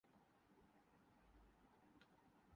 کے خلاف ایک سازش ہے۔